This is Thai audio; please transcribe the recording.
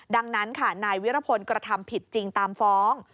ดังนั้นค่ะนายวิรพลกระทำผิดจริงตามฟ้อง